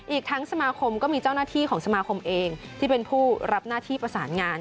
อีกทั้งสมาคมก็มีเจ้าหน้าที่ของสมาคมเองที่เป็นผู้รับหน้าที่ประสานงาน